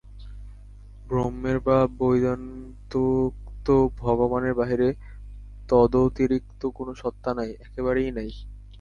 ব্রহ্মের বা বেদান্তোক্ত ভগবানের বাহিরে তদতিরিক্ত কোন সত্তা নাই, একেবারেই নাই।